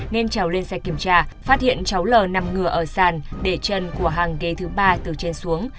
nên trào lên xe kiểm tra phát hiện cháu l nằm ngửa ở sàn để chân của hàng ghế thứ ba từ trên xuống